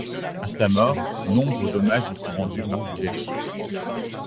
À sa mort, nombre d'hommages lui sont rendus par ses élèves.